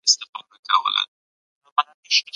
وطن د ننګ او غیرتونو مينه ده.